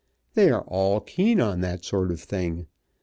They are all keen on that sort of thing.